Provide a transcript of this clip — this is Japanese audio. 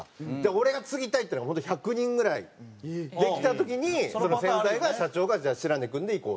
俺が継ぎたいっていうのが本当に１００人ぐらい出てきた時にその先代が社長が「じゃあ白根君でいこう」って言って。